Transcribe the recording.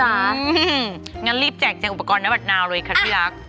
หือฮืองั้นรีบแจกแจงอุปกรณ์ให้แบบนะเลยค่ะพี่รัก